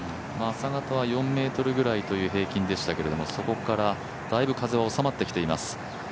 朝方は４ｍぐらいという平均でしたけど、そこからだいぶ風は収まってきています。